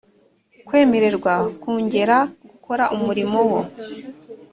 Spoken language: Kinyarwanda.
kwemererwa kungera gukora umurimo wo